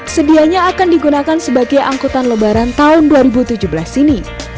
sedianya akan digunakan sebagai angkutan lebaran tahun dua ribu tujuh belas ini